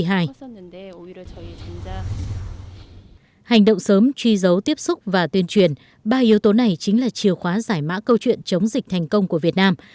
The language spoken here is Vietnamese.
hành động sớm truy dấu tiếp xúc và tuyên truyền ba yếu tố này chính là chiều khóa giải mã câu chuyện chống dịch thành công của việt nam